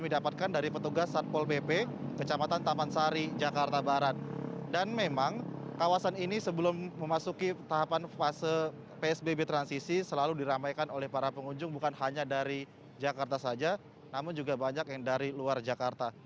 dan memang kawasan ini sebelum memasuki tahapan fase psbb transisi selalu diramaikan oleh para pengunjung bukan hanya dari jakarta saja namun juga banyak yang dari luar jakarta